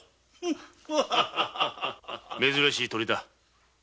珍しい鳥だ。